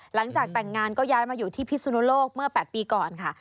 หลังจากแต่งงานก็ย้ายมาอยู่ที่พิสุนโลกเมื่อ๘ปีก่อนค่ะ